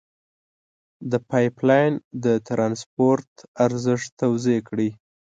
د پایپ لین د ترانسپورت ارزښت توضیع کړئ.